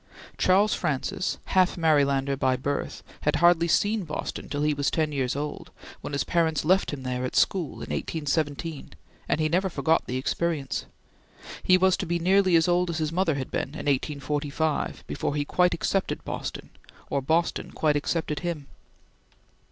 Charles Francis, half Marylander by birth, had hardly seen Boston till he was ten years old, when his parents left him there at school in 1817, and he never forgot the experience. He was to be nearly as old as his mother had been in 1845, before he quite accepted Boston, or Boston quite accepted him.